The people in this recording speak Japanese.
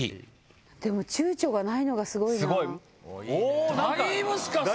でもちゅうちょがないのがすごいなだいぶスカスカ！